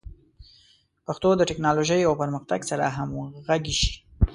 پښتو د ټکنالوژۍ او پرمختګ سره همغږي شي.